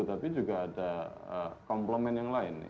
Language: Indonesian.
tapi juga ada komplemen yang lain